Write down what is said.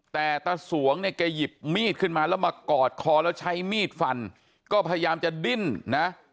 แต่ตาสวงเนี่ยแกหยิบมีดขึ้นมาแล้วมากอดคอแล้วใช้มีดฟันก็พยายามจะดิ้นนะ